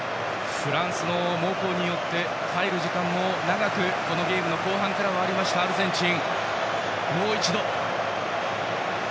フランスの猛攻によって耐える時間も長くこのゲームの後半からありましたアルゼンチン。